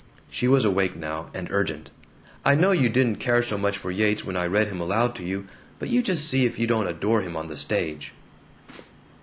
She was awake now, and urgent. "I know you didn't care so much for Yeats when I read him aloud to you, but you just see if you don't adore him on the stage."